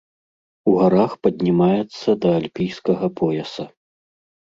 У гарах паднімаецца да альпійскага пояса.